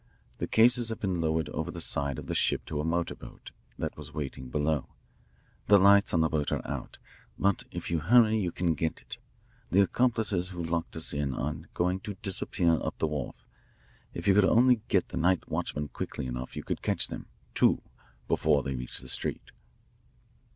The cases have been lowered over the side of the ship to a motor boat that was waiting below. The lights on the boat are out, but if you hurry you can get it. The accomplices who locked us in are going to disappear up the wharf. If you could only get the night watchman quickly enough you could catch them, too, before they reach the street."